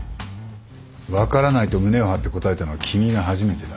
分からないと胸を張って答えたのは君が初めてだ。